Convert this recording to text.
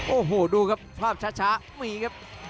โอ้โหดูครับภาพช้ามีครับ